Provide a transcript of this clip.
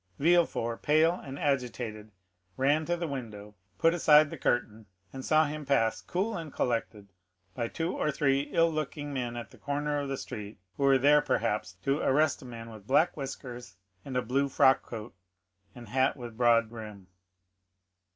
Villefort, pale and agitated, ran to the window, put aside the curtain, and saw him pass, cool and collected, by two or three ill looking men at the corner of the street, who were there, perhaps, to arrest a man with black whiskers, and a blue frock coat, and hat with broad brim.